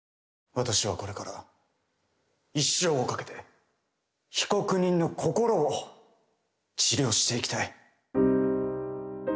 私はこれから一生をかけて被告人の心を治療していきたい。